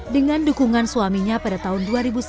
dengan dukungan suaminya pada tahun dua ribu sembilan